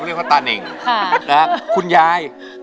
คุณยายเป้าเป็นนักร้องมาตั้งแต่อายุเท่าไหร่ครับ